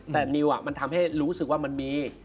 แต่นิวมันทำให้รู้สึกว่ามันมี